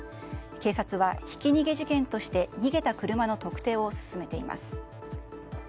警察はひき逃げ事件として逃げた車の特定を進めています。